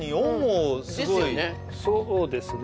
そうですね